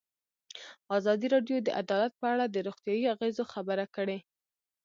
ازادي راډیو د عدالت په اړه د روغتیایي اغېزو خبره کړې.